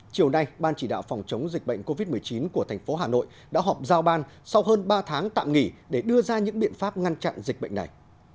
chiều nay ban chỉ đạo phòng chống dịch bệnh covid một mươi chín của thành phố hà nội đã họp giao ban sau hơn ba tháng tạm nghỉ để đưa ra những biện pháp ngăn chặn dịch bệnh này